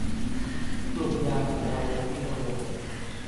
กลุ่มยาฟลูออโรควิโนโลน